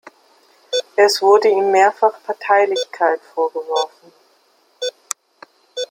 Es wurden ihm mehrfach Parteilichkeit vorgeworfen.